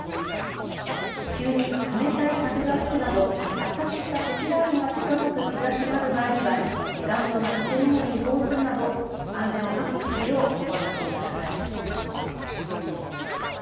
急に冷たい風が吹くなど発達した積乱雲が近づく兆しがある場合には頑丈な建物に移動するなど安全を確保するよう心がけてください。